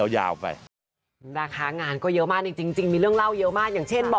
อย่างเช่นบ่อย